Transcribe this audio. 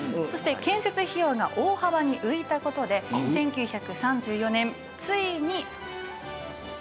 そして建設費用が大幅に浮いた事で１９３４年ついに。